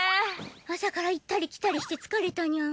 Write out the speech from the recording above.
朝から行ったり来たりして疲れたニャン。